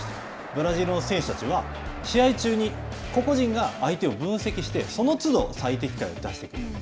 ブラジルの選手たちは、試合中に個々人が相手を分析して、そのつど、最適解を出してくる。